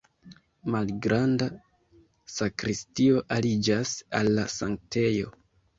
Malgranda sakristio aliĝas al la sanktejo.